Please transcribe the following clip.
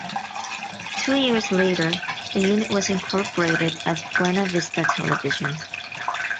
Two years later, the unit was incorporated as Buena Vista Television.